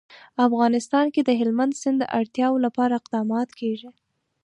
افغانستان کې د هلمند سیند د اړتیاوو لپاره اقدامات کېږي.